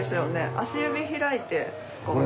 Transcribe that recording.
足指開いてこう。